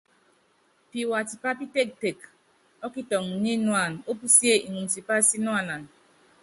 Piwa tipá pítektek ɔ́kitɔŋɔ nyínuána opusíe iŋumu tipa sínuana.